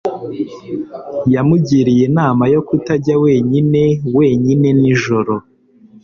Yamugiriye inama yo kutajya wenyine wenyine nijoro.